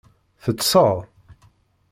Teṭṭseḍ?